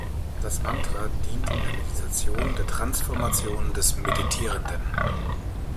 Das Mantra dient in der Meditation der Transformation des Meditierenden.